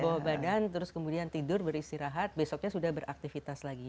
bawa badan terus kemudian tidur beristirahat besoknya sudah beraktivitas lagi